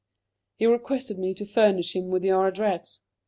"He requested me to furnish him with your address.